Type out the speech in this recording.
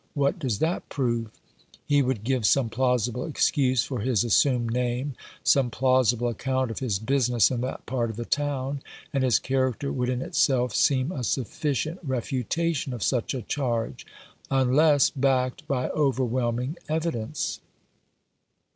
What does that prove ? He would give some plausible excuse for his assumed name, some plausible account of his business in that part of the town, and his character would in itself seem a sufficient refutation 3U What he Meant to Do. of such a charge — unless backed by overwhelming evidence."